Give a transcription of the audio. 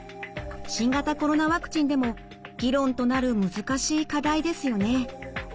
新型コロナワクチンでも議論となる難しい課題ですよね。